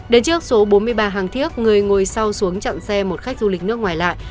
đến trước số bốn mươi ba hàng thiếc người ngồi sau xuống chặn xe một khách du lịch nước ngoài lại